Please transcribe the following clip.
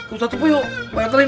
ustadz sepuh yuk mau nyantarin